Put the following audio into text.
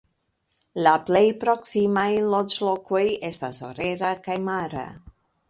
La plej proksimaj loĝlokoj estas Orera kaj Mara.